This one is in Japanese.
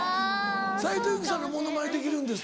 斉藤由貴さんのモノマネできるんですって？